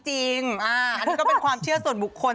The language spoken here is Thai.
อันนี้ก็เป็นความเชื่อส่วนบุคคล